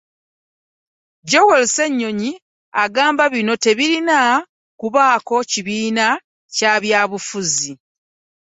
Joel Ssenyonyi agamba bino tebirina kubaako kibiina Kya bya bufuzi